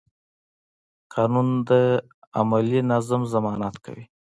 قانون د عملي نظم ضمانت کوي.